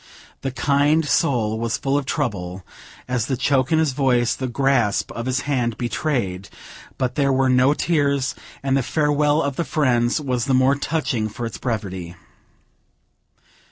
The kind soul was full of trouble, as the choke in his voice, the grasp of his hand, betrayed; but there were no tears, and the farewell of the friends was the more touching for its brevity.